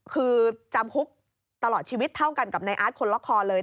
คือจำคุกตลอดชีวิตเท่ากันกับนายอาร์ตคนล็อกคอเลย